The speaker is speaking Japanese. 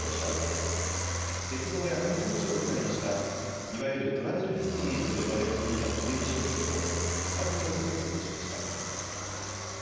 あと鉄道や観光地を舞台にしたいわゆるトラベルミステリーと呼ばれる分野の推理小説を数多く発表しました。